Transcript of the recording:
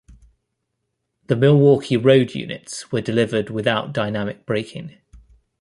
The Milwaukee Road units were delivered without Dynamic Braking.